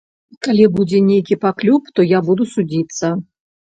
Калі будзе нейкі паклёп, то я буду судзіцца.